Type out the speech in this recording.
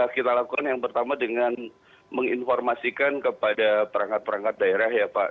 kita lakukan yang pertama dengan menginformasikan kepada perangkat perangkat daerah ya pak